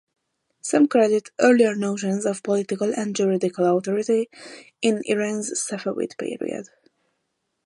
Some credit "earlier notions of political and juridical authority" in Iran's Safavid period.